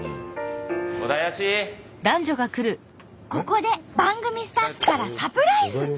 ここで番組スタッフからサプライズ！